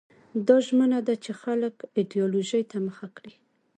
دا ژمنه ده چې خلک ایدیالوژۍ ته مخه کړي.